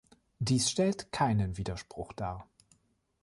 Dies stellt keinen Widerspruch dar.